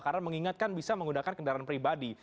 karena mengingatkan bisa menggunakan kendaraan pribadi